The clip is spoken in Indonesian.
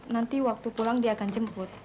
nanti waktu pulang dia akan jemput